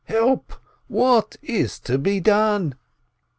Help ! What is to be done?"